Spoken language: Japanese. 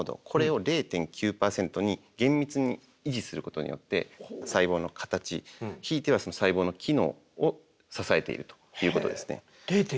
これを０．９％に厳密に維持することによって細胞の形ひいては細胞の機能を支えているということですね。